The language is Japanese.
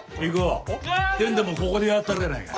出んでもここでやったろやないかい。